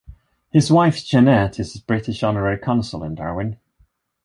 His wife Jeanette is British Honorary Consul in Darwin.